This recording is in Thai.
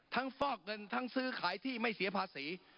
ฟอกเงินทั้งซื้อขายที่ไม่เสียภาษี